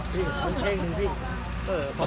เผ็ดบ้า